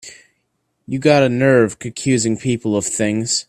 You've got a nerve accusing people of things!